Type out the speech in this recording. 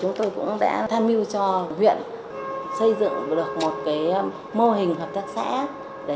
thứ ba nữa là chúng tôi đã tham mưu cho huyện xây dựng được một mô hình hợp tác xã